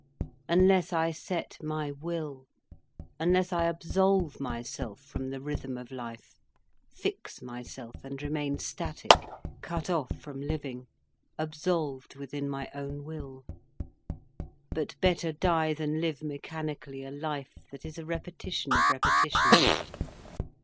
Unless I set my will, unless I absolve myself from the rhythm of life, fix myself and remain static, cut off from living, absolved within my own will. But better die than live mechanically a life that is a repetition of repetitions.